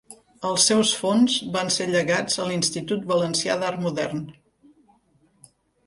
Els seus fons van ser llegats a l'Institut Valencià d'Art Modern.